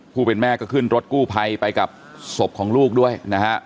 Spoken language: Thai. ผู้เป็นแม่ก็ขึ้นรถกู้ไพรไปกับศพของลูกด้วยนะฮะ